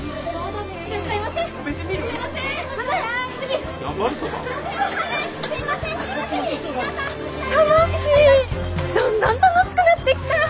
どんどん楽しくなってきた！